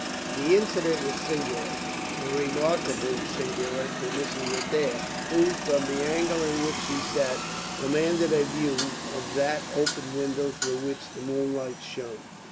The incident was singular, and remarkably singular to Mrs. Adair, who from the angle in which she sat commanded a view of that open window through which the moonlight shone.